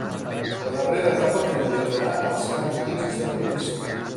La darrera etapa finalitzarà als Camps Elisis de París.